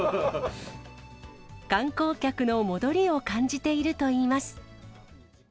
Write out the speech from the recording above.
観光客の戻りを感じているといいます。